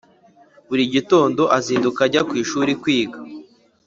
burigitonndo azinduka ajya kwishuri kwiga